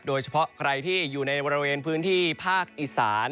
โดยเฉพาะใครที่อยู่ในบริเวณพื้นที่ภาคอีสาน